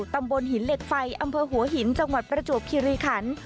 ตำบลหินเหล็กไฟอำเภอหัวหินจังหวัดประจวบคิริขัน